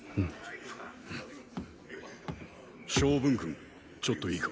昌文君ちょっといいか。